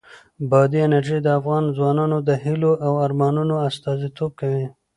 بادي انرژي د افغان ځوانانو د هیلو او ارمانونو استازیتوب کوي.